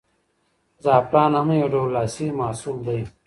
زعفران هم یو ډول لاسي محصول دی.